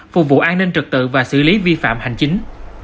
phục vụ an ninh trực tự và xử lý vi phạm hành chính